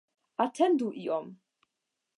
Atendu iom.